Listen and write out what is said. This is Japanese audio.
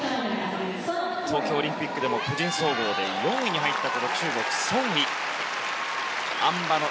東京オリンピックでも個人総合で４位に入った中国のソン・イ。